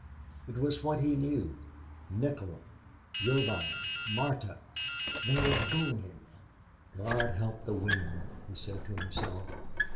It was what he knew. Nikola, Yovan, Marta. They were going. "God help the women," he said to himself.